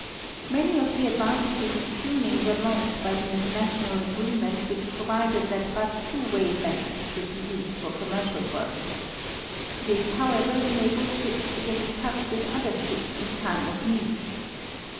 Many of the advantages of tuning were lost by the international agreement which provided that but two wave lengths should be used for commercial work. This, however, enables ships to get in touch with other ships in time of need.